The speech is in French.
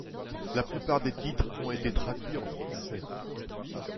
La plupart des titres ont été traduits en français.